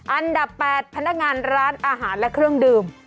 อันดับ๘พนักงานร้านอาหารและเครื่องดื่ม